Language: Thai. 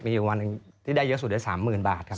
มีวันที่ได้เยอะสุดก็จะ๓๐๐๐๐บาทครับ